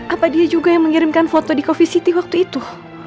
apa dia juga yang mengirimkan foto di coffe city waktu itu